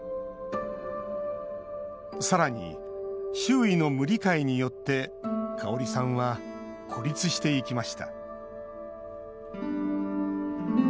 さらに、周囲の無理解によってカオリさんは孤立していきました。